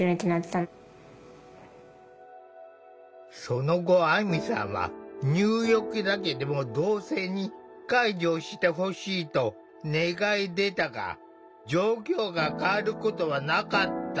その後あみさんは「入浴だけでも同性に介助してほしい」と願い出たが状況が変わることはなかった。